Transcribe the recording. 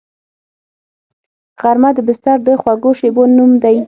غرمه د بستر د خوږو شیبو نوم دی